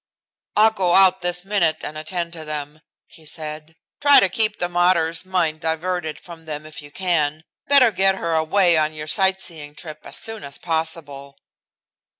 "I'll go out this minute and attend to them," he said. "Try to keep the mater's mind diverted from them if you can. Better get her away on your sight seeing trip as soon as possible."